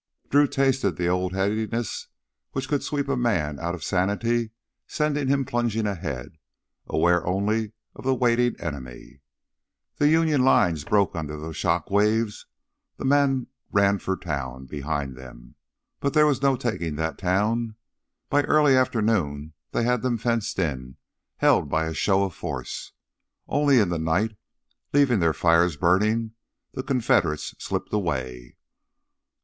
Drew tasted the old headiness which could sweep a man out of sanity, send him plunging ahead, aware only of the waiting enemy. The Union lines broke under those shock waves; men ran for the town behind them. But there was no taking that town. By early afternoon they had them fenced in, held by a show of force. Only in the night, leaving their fires burning, the Confederates slipped away.